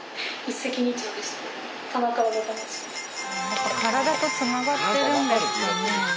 やっぱ体とつながってるんですかね。